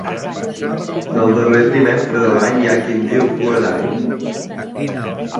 Del darrer trimestre de l'any hi ha qui en diu Cua d'Any.